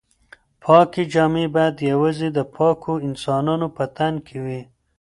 پاکې جامې باید یوازې د پاکو انسانانو په تن کې وي.